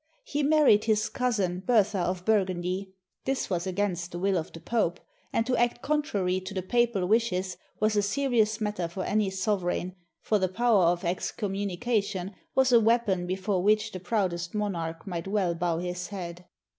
He married his cousin Bertha of Burgundy. This was against the will of the Pope; and to act contrary to the papal wishes was a serious matter for any sovereign, for the power of excommunication was a weapon before which the proudest monarch might well bow his head.